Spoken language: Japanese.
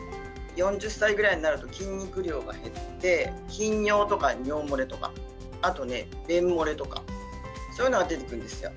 ４０歳ぐらいになると、筋肉量が減って、頻尿とか尿もれとか、あとね、便漏れとか、そういうのが出てくるんですよ。